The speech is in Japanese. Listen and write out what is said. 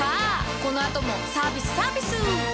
このあともサービスサービスぅ！